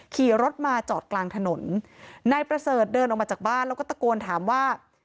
ขี่รถมาจอดกลางถนนนายประเสริฐเดินออกมาจากบ้านแล้วก็ตะโกนถามว่า